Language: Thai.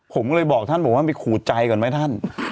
ผมเลยบอกท่านบอกว่าไปขูดใจก่อนไหมท่าน